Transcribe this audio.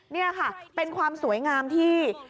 นี่ค่ะเป็นความสวยงามที่